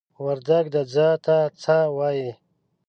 وردگ "ځه" ته "څَ" وايي.